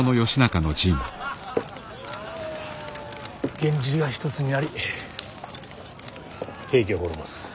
源氏が一つになり平家を滅ぼす。